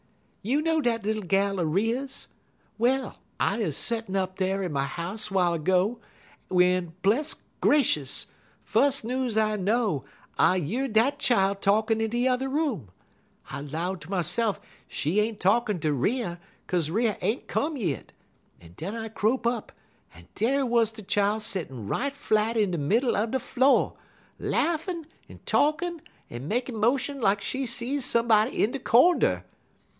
"You know dat little gal er Riah's? Well, I 'uz settin' up dar in my house 'w'ile ergo, w'en, bless gracious! fus' news I know, I year dat chile talkin' in the yuther room. I 'low ter myse'f, she ain't talkin' ter Riah, 'kaze Riah ain't come yit, un den I crope up, dar wuz de chile settin' right flat in de middle er de flo', laffin' un talkin' un makin' motions like she see somebody in de cornder.